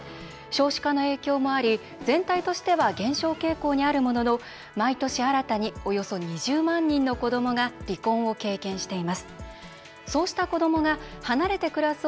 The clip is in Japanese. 少子化の影響もあり全体としては減少傾向にあるものの毎年、新たにおよそ２０万人の子どもが離婚を経験しています。